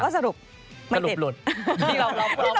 สรุปง็ไม่ติด